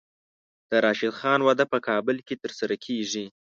د راشد خان واده په کابل کې ترسره کیږي.